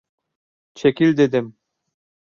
Çekil dedim!